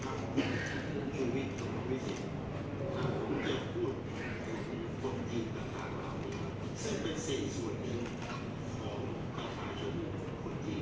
ถ้าผมคิดถึงชูวิทย์สังคมวิทย์ถ้าผมอยากพูดถึงคนจีนจังหวังทุนซึ่งเป็นสิ่งส่วนนึงของประชาชนคนจีน